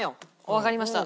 わかりました。